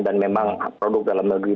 dan memang produk dalam menurut saya